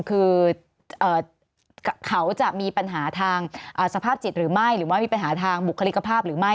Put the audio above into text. คือเขาจะมีปัญหาทางสภาพจิตหรือไม่หรือว่ามีปัญหาทางบุคลิกภาพหรือไม่